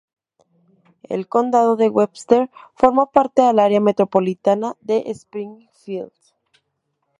El condado de Webster forma parte al Área metropolitana de Springfield.